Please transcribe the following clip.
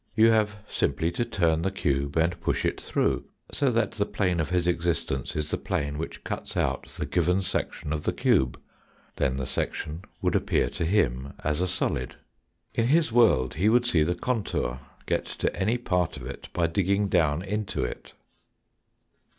You have simply to turn the cube and push it through, so that the plane of his existence is the plane which cuts out the given section of the cube, then the section would appear to him as a solid. In his world he would see the contour, get to any part of it by digging down into it.